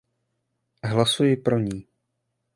Hlasuji proti ní.